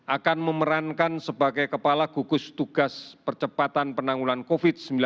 akan memerankan sebagai kepala gugus tugas percepatan penanggulan covid sembilan belas